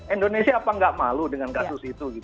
indonesia apa nggak malu dengan kasus itu